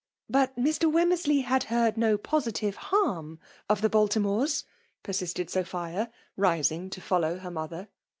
" But Mr. Wemmersley had heard no posi* tive harm of the Baltimores Y' persisted Sophia, rising to follow her mother.